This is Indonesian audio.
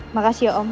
makasih ya om